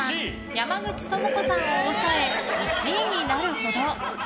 山口智子さんを抑え１位になるほど。